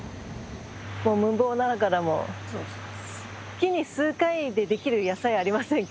もう無謀ながらも月に数回でできる野菜ありませんか？